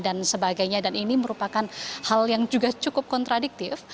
dan ini merupakan hal yang juga cukup kontradiktif